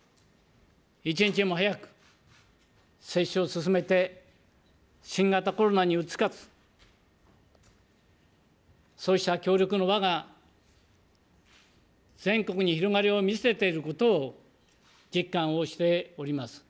一日も早く接種を進めて、新型コロナに打ち勝つ、そうした協力の輪が、全国に広がりを見せていることを実感をしております。